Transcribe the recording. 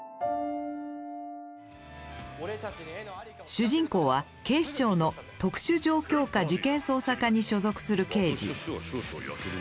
主人公は警視庁の特殊状況下事件捜査課に所属する刑事。